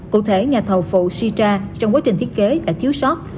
cụ thể nhà thầu phụ shicha trong quá trình thiết kế đã thiếu sót